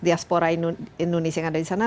diaspora indonesia yang ada disana